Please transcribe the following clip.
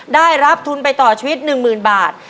ได้รับทุนไปต่อชีวิต๑๐๐๐บาท